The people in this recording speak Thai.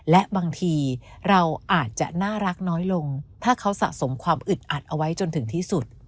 และบางทีเราอาจจะน่ารักน้อยลงถ้าเขาสะสมความอึดอัดเอาไว้จนถึงที่สุด